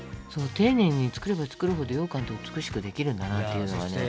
丁寧に作れば作るほどようかんって美しくできるんだなっていうのがね。